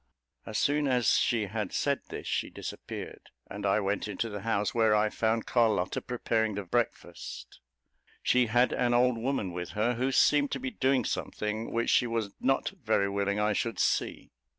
As soon as she had said this, she disappeared, and I went into the house, where I found Carlotta preparing the breakfast; she had an old woman with her, who seemed to be doing something which she was not very willing I should see.